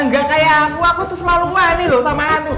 enggak kayak aku aku tuh selalu kuhani loh sama hantu